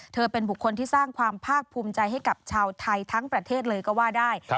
เป็นบุคคลที่สร้างความภาคภูมิใจให้กับชาวไทยทั้งประเทศเลยก็ว่าได้